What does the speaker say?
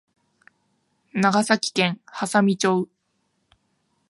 長崎県波佐見町